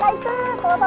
udah bisa banget jalannya